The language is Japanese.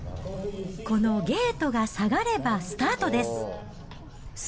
このゲートが下がればスタートです。